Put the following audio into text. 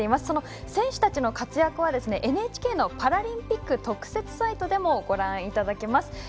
その選手たちの活躍は、ＮＨＫのパラリンピック特設サイトでもご覧いただけます。